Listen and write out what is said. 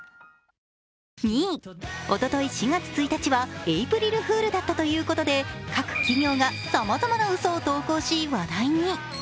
２位、おととい、４月１日はエイプリルフールだったということで、各企業がさまざなうそを投稿し話題に。